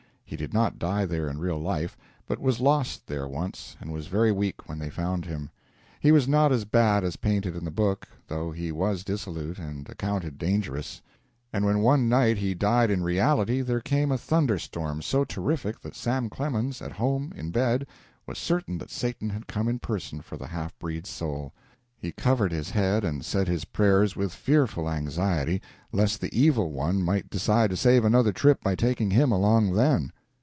He did not die there in real life, but was lost there once and was very weak when they found him. He was not as bad as painted in the book, though he was dissolute and accounted dangerous; and when one night he died in reality, there came a thunder storm so terrific that Sam Clemens at home, in bed, was certain that Satan had come in person for the half breed's soul. He covered his head and said his prayers with fearful anxiety lest the evil one might decide to save another trip by taking him along then.